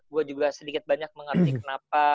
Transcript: gue juga sedikit banyak mengerti kenapa